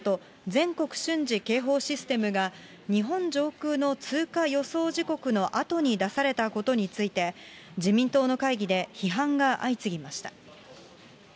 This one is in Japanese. ・全国瞬時警報システムが日本上空の通過予想時刻のあとに出されたことについて、自民党の会議で批判が相次ぎました。